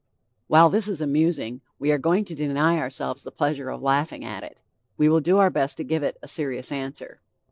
While this is amusing, we are going to deny ourselves the pleasure of laughing at it; we will do our best to give it a serious answer.